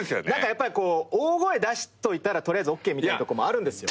やっぱりこう大声出しといたら取りあえずＯＫみたいなとこもあるんですよ。